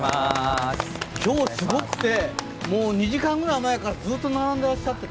今日、すごくて２時間ぐらい前からずっと並んでらっしゃって。